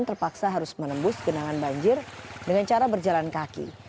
terpaksa harus menembus genangan banjir dengan cara berjalan kaki